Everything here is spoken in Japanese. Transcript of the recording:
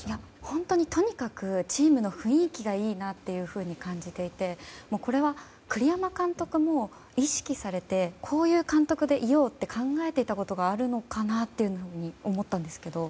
本当にとにかくチームの雰囲気がいいなと感じていてこれは栗山監督も意識されてこういう監督でいようと考えてたことがあるのかなと思ったんですけど。